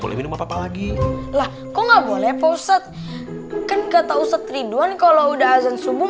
boleh minum apa lagi lah kok nggak boleh poset kan kata ustadz ridwan kalau udah azan subuh